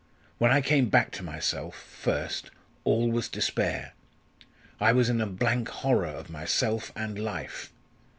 When I came back to myself first all was despair. I was in a blank horror of myself and life.